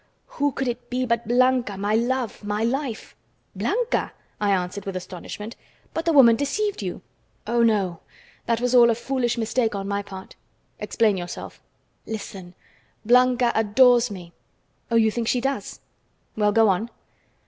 "Who could it be but Blanca, my love, my life?" "Blanca?" I answered with astonishment. "But the woman deceived you." "Oh, no; that was all a foolish mistake on my part." "Explain yourself." "Listen: Blanca adores me!" "Oh, you think she does? Well, go on."